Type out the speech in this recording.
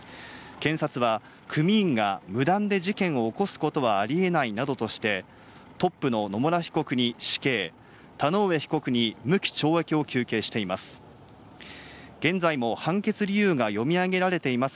検察は、組員が無断で事件を起こすことはあり得ないなどとして、トップの野村被告に死刑、田上被告に無期懲役を求刑しています。